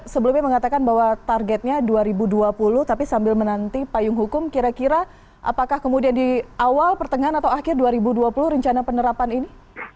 sebelumnya mengatakan bahwa targetnya dua ribu dua puluh tapi sambil menanti payung hukum kira kira apakah kemudian di awal pertengahan atau akhir dua ribu dua puluh rencana penerapan ini